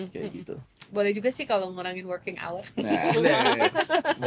boleh juga sih kalau ngurangin working hour